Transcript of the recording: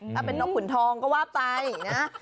ถ้าเป็นนกขุนทองก็ว่าไปนะ